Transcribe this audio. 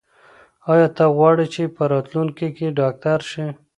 ایا ته غواړې چې په راتلونکي کې ډاکټر شې؟